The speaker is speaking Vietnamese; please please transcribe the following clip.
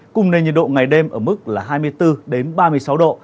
cùng nền nhiệt độ ngày đêm ở mức là hai mươi bốn ba mươi sáu độ